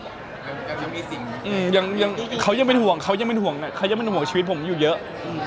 ยังมีสิ่งยังเขายังเป็นห่วงเขายังเป็นห่วงเขายังเป็นห่วงชีวิตผมอยู่เยอะ